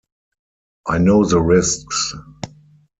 I know the risks.